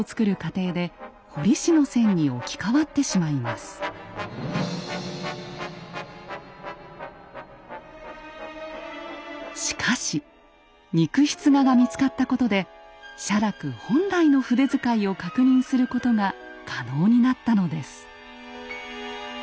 そのため絵師本来のしかし肉筆画が見つかったことで写楽本来の筆遣いを確認することが可能になったのです。